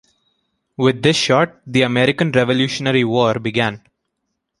With this shot, the American Revolutionary War began.